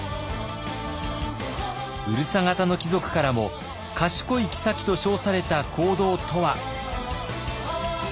うるさ型の貴族からも賢い后と称された行動とは？